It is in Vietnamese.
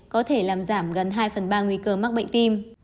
có thể làm giảm gần hai phần ba nguy cơ mắc bệnh tim